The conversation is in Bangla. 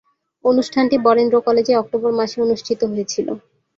অনুষ্ঠানটি বরেন্দ্র কলেজে অক্টোবর মাসে অনুষ্ঠিত হয়েছিলো।